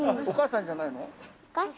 お母さんじゃないよ。